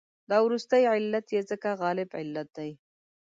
دا وروستی علت یې ځکه غالب علت دی.